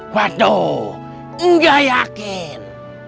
waduh gak yakin